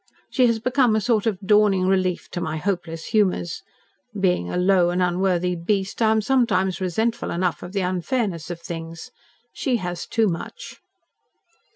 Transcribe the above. She has become a sort of dawning relief to my hopeless humours. Being a low and unworthy beast, I am sometimes resentful enough of the unfairness of things. She has too much."